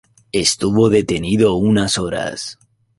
Estuvo detenido unas horas.